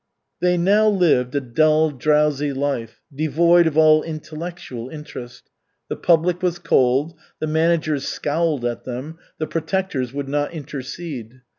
They now lived a dull, drowsy life, devoid of all intellectual interest. The public was cold, the managers scowled at them, the "protectors" would not intercede.